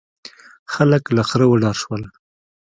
خلک له خره وډار شول.